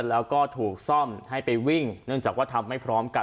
แล้วก็ถูกซ่อมให้ไปวิ่งเนื่องจากว่าทำไม่พร้อมกัน